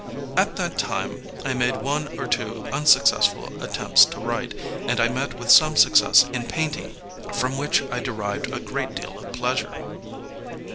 At that time I made one or two unsuccessful attempts to write, and I met with some success in painting, from which I derived a great deal of pleasure.